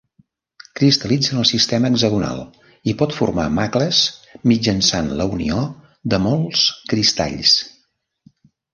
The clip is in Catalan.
Cristal·litza en el sistema hexagonal i pot formar macles mitjançant la unió de molts cristalls.